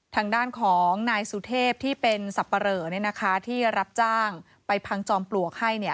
ทางด้านของนายสุเทพที่เป็นสับปะเหลอที่รับจ้างไปพังจอมปลวกให้